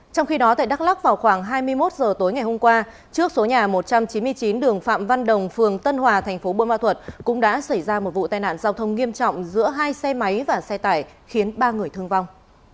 trong khi đó tại đắk lắc vào khoảng hai mươi một h tối ngày hôm qua trước số nhà một trăm chín mươi chín đường phạm văn đồng phường tân hòa thành phố bơ ma thuật cũng đã xảy ra một vụ tai nạn giao thông nghiêm trọng giữa hai xe máy và xe tải khiến ba người thương vong